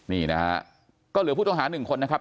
นี่นะฮะก็เหลือผู้ต้องหาหนึ่งคนนะครับ